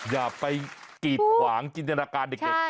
อย่าไปกีดขวางจินตนาการเด็ก